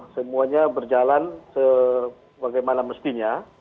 semuanya berjalan sebagaimana mestinya